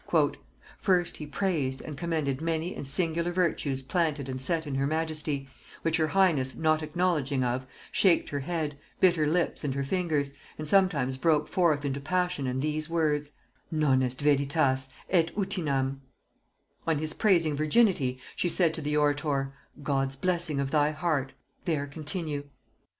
"First he praised and commended many and singular virtues planted and set in her majesty, which her highness not acknowledging of shaked her head, bit her lips and her fingers, and sometimes broke forth into passion and these words; 'Non est veritas, et utinam' On his praising virginity, she said to the orator, 'God's blessing of thy heart, there continue.'